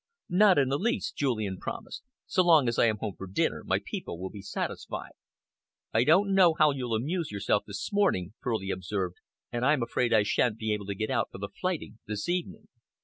"Not in the least," Julian promised. "So long as I am home for dinner, my people will be satisfied." "I don't know how you'll amuse yourself this morning," Furley observed, "and I'm afraid I sha'n't be able to get out for the flighting this evening."